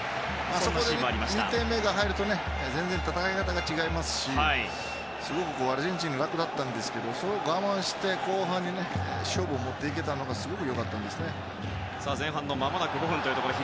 あそこで２点目が入ると全然戦い方が違うしすごくアルゼンチン楽だったんですけどそこを我慢して後半に勝負を持っていけたのがすごく良かったですね。